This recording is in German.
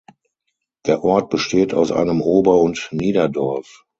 Der Ort besteht aus einem Ober- und Niederdorf.